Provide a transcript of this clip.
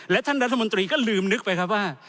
และท่านรัฐมนตรีก็ลืมนึกไปครับว่า